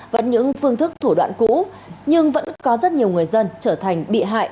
vẫn những phương thức thủ đoạn cũ nhưng vẫn có rất nhiều người dân trở thành bị hại